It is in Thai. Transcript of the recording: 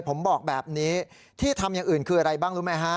ผมบอกแบบนี้ที่ทำอย่างอื่นคืออะไรบ้างรู้ไหมฮะ